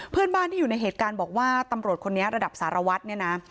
เพื่อนบ้านที่อยู่ในเหตุการณ์บอกว่าตำรวจคนนี้ระดับสารวัตรเนี่ยนะ